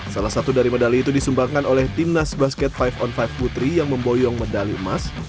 salah satu dari medali itu disumbangkan oleh timnas basket lima on lima putri yang memboyong medali emas